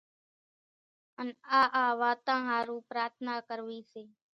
ان آ آ واتان ۿارُو پرارٿنا ڪروي سي